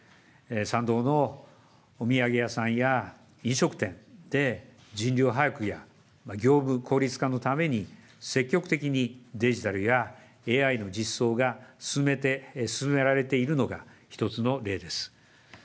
参道のお土産屋さんや飲食店で、人流把握や業務効率化のために、積極的にデジタルやＡＩの実装が進められているのが一つの例です。